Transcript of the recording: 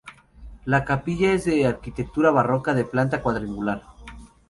La capilla es de arquitectura barroca, de planta cuadrangular.